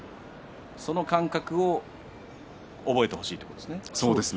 その感覚を覚えてほしいということですね。